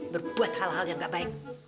berbuat hal hal yang gak baik